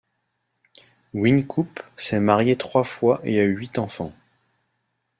Wynkoop s'est marié trois fois et a eu huit enfants.